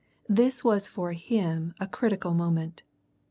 This was for him a critical moment.